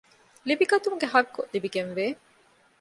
ލިބިގަތުމުގެ ޙައްޤު ލިބިގެންވޭ